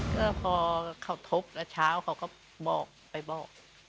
ก็พอเขาทบแล้วเช้าเขาก็บอกไปบอก